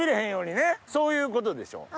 そういうことでしょ。